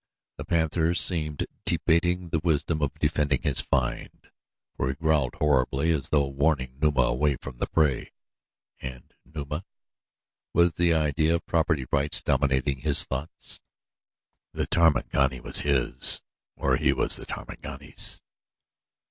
The panther seemed debating the wisdom of defending his find, for he growled horribly as though warning Numa away from the prey. And Numa? Was the idea of property rights dominating his thoughts? The Tarmangani was his, or he was the Tarmangani's.